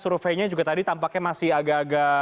surabaya yang tadi tampaknya masih agak agak